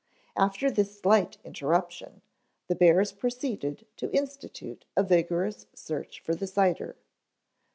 After this slight interruption, the bears proceeded to institute a vigorous search for the cider.